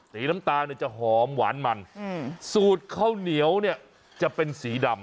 สีน้ำตาลเนี่ยจะหอมหวานมันสูตรข้าวเหนียวเนี่ยจะเป็นสีดำ